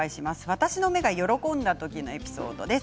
私の目が喜んだ時のエピソードです。